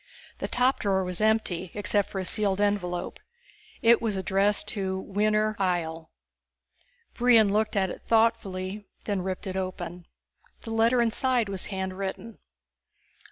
The top drawer was empty, except for a sealed envelope. It was addressed to Winner Ihjel. Brion looked at it thoughtfully, then ripped it open. The letter inside was handwritten.